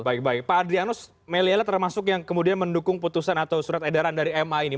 baik baik pak adrianus meliela termasuk yang kemudian mendukung putusan atau surat edaran dari ma ini